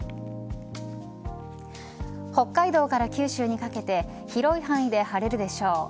北海道から九州にかけて広い範囲で晴れるでしょう。